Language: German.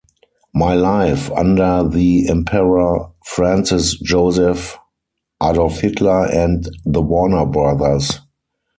My Life under the Emperor Francis Joseph, Adolf Hitler, and the Warner Brothers".